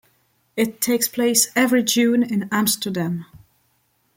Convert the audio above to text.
It takes place every June in Amsterdam.